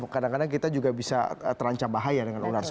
kadang kadang kita juga bisa terancam bahaya dengan unarsa